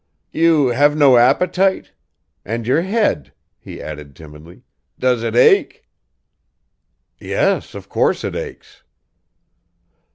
"You have no appetite? And your head," he added timidly, "does it ache?" "Yes, of course it aches."